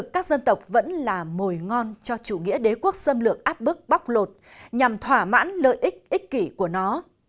các dân tộc vẫn là mồi ngon cho chủ nghĩa đế quốc xâm lược áp bức bóc lột nhằm thỏa mãn lợi ích ích kỷ của nó